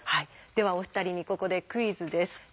ではお二人にここでクイズです。